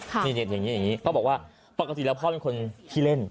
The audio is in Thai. นี่อย่างนี้อย่างนี้เขาบอกว่าปกติแล้วพ่อเป็นคนขี้เล่น